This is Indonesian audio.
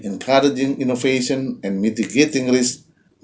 antara mendorong inovasi dan memperlengkakan risiko